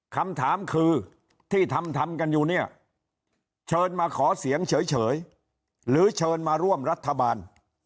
คำถามคือที่ทำทำกันอยู่เนี่ยเชิญมาขอเสียงเฉยหรือเชิญมาร่วมรัฐบาล